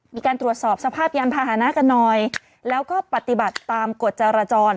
มีการตรวจสอบสภาพยานพาหนะกันหน่อยแล้วก็ปฏิบัติตามกฎจรจร